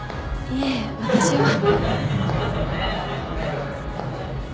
いえ私は。